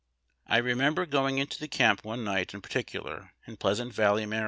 I re member geing into camp one night in particular, in Pleasant Valley, Md.